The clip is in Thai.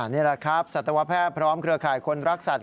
นี่แหละครับสัตวแพทย์พร้อมเครือข่ายคนรักสัตว